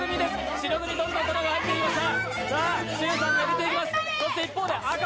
白組、どんどん玉が入っていきました。